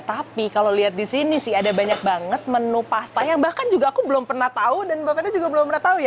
tapi kalau lihat di sini sih ada banyak banget menu pasta yang bahkan juga aku belum pernah tahu dan mbak fena juga belum pernah tahu ya